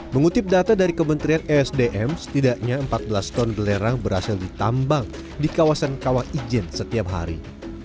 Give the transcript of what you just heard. mengutip data dari kementerian esdm setidaknya empat belas ton belerang berhasil ditambang di kawasan kawah ijen setiap hari